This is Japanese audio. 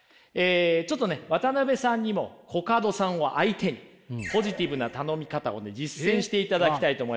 ちょっとね渡辺さんにもコカドさんを相手にポジティブな頼み方をね実践していただきたいと思います。